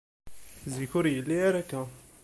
Zik, ur yelli ara akka.